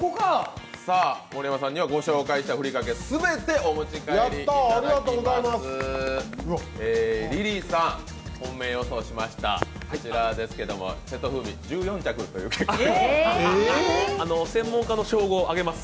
盛山さんにはご紹介したふりかけ全てお持ち帰りいただきます。